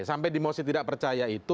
sampai di mosi tidak percaya itu